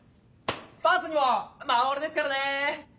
パンツにも守ですからね！